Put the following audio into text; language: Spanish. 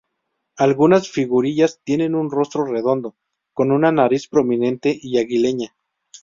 Algunas figurillas tienen un rostro redondo con una nariz prominente y aguileña.